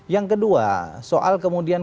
yang kedua soal kemudian